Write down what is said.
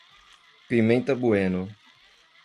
Pimenta Bueno